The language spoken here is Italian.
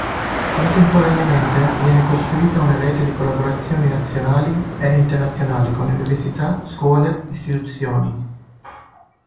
Contemporaneamente viene costruita una rete di collaborazioni nazionali e internazionali con università, scuole, istituzioni.